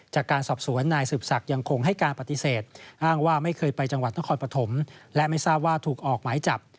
จากการสอบสวนนายสืบศักดิ์ยังคงให้การปฏิเสธอ้างว่าไม่เคยไปจังหวัดนครปฐมและไม่ทราบว่าถูกออกหมายจับ